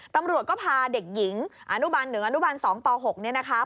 ตำรวจก็พาเด็กหญิงอนุบัน๑อนุบัน๒ป๖เนี่ยนะคะ